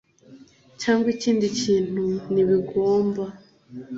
cyangwa ikindi kintu) ntibigomba